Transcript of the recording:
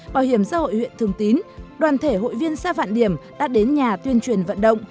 bảo hiểm xã hội huyện thường tín đoàn thể hội viên xã vạn điểm đã đến nhà tuyên truyền vận động